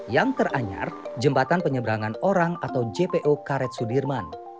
yang teranyar jembatan penyeberangan orang atau jpo karet sudirman